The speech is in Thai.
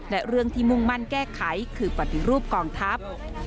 และเรื่องที่มุ่งมั่นแก้ไขคือปฏิรูปกองทัพ